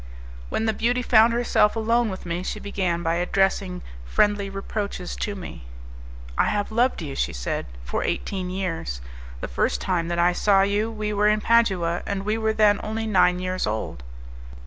When the beauty found herself alone with me, she began by addressing friendly reproaches to me. "I have loved you," she said, "for eighteen years; the first time that I saw you we were in Padua, and we were then only nine years old."